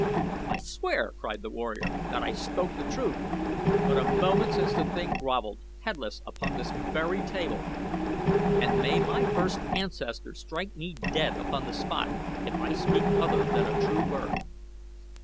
"I swear," cried the warrior, "that I spoke the truth. But a moment since the thing groveled, headless, upon this very table! And may my first ancestor strike me dead upon the spot if I speak other than a true word!"